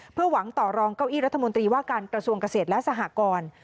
เพื่อหวังต่อรองเก้าอี้รัฐมนตรีว่าการกระทรวงเกษตรและสหกร